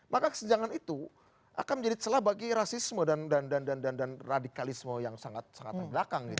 maka kesenjangan itu akan menjadi celah bagi rasisme dan radikalisme yang sangat sangat belakang gitu